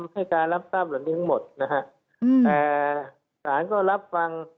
ให้การรับทราบเหล่านี้ทั้งหมดนะฮะแต่สารก็รับฟัง